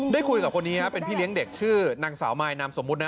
ได้คุยกับคนนี้เป็นพี่เลี้ยงเด็กชื่อนางสาวมายนามสมมุตินะ